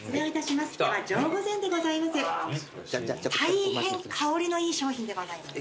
大変香りのいい商品でございます。